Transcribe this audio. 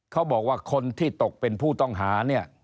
เขาบอกว่าคนที่ตกเป็นผู้ต้องหาเนี่ย